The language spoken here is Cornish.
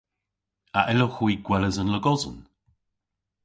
A yllowgh hwi gweles an logosen?